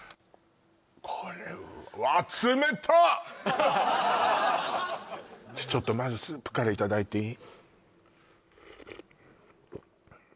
これちょっとまずスープからいただいていい？